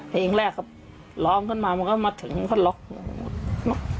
เพลงแรกครับร้องขึ้นมามันก็มาถึงขับล็อน็ม